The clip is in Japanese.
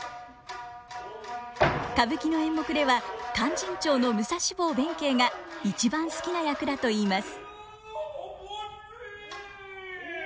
歌舞伎の演目では「勧進帳」の武蔵坊弁慶が一番好きな役だと言います。